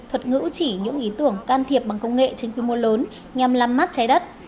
thuật ngữ chỉ những ý tưởng can thiệp bằng công nghệ trên quy mô lớn nhằm làm mát trái đất